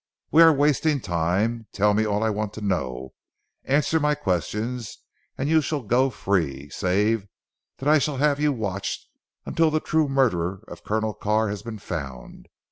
"We are wasting time. Tell me all I want to know; answer my questions, and you shall go free, save that I shall have you watched until the true murderer of Colonel Carr has been found.